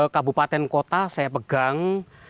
kabupaten kota saya pegang